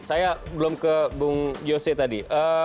saya belum ke bung yose tadi